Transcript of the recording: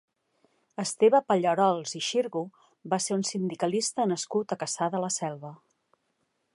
Esteve Pallarols i Xirgu va ser un sindicalista nascut a Cassà de la Selva.